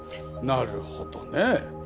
なるほどね。